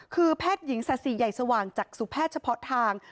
คือแพทย์หญิงสาสีใหญ่สว่างจากสุแพทย์เฉพาะทาง